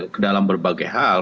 kedalam berbagai hal